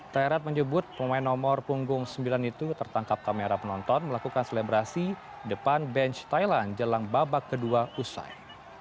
thairat menyebut pemain nomor punggung sembilan itu tertangkap kamera penonton melakukan selebrasi depan bench thailand jelang babak kedua usai